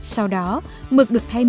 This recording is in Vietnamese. sau đó mực được thay nước